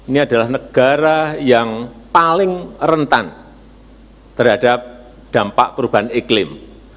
ini adalah negara yang paling rentan terhadap dampak perubahan iklim